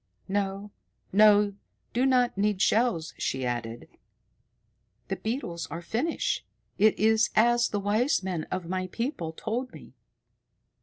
"No, you do not need the shells," she added. "The beetles are finish. It is as the wise men of my people told me."